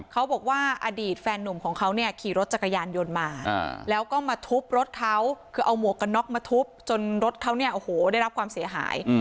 เขาบอกว่าอดีตแฟนหนุ่มของเขาเนี่ยขี่รถจักรยานยนต์มาแล้วก็มาทุบรถเขาคือเอาหมวกกันน็อกมาทุบจนรถเขาเนี่ยโอ้โหได้รับความเสียหาย